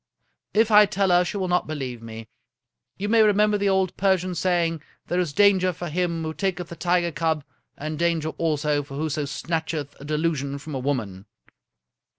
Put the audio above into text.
" If I tell her she will not believe me. You may re member the old Persian saying, ' There is danger for him who taketh the tiger cub, and danger also for whoso snatch eth a delusion from a woman.'